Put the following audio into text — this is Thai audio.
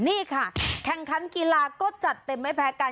นี่ค่ะแข่งขันกีฬาก็จัดเต็มไม่แพ้กัน